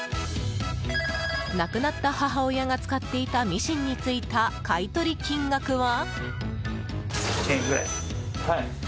亡くなった母親が使っていたミシンについた買い取り金額は？